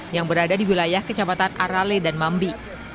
yang berada di wilayah kecamatan arale dan mambi